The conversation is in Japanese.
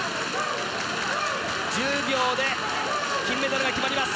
１０秒で金メダルが決まります。